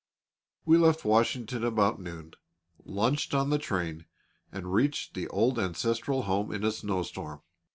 We left Washington about noon, lunched on the train, and reached the old ancestral home in a snow storm.